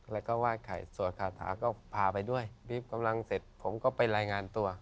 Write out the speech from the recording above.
แล้วก็ไหว้ไข่สวดคาถาก็พาไปด้วยรีบกำลังเสร็จผมก็ไปรายงานตัว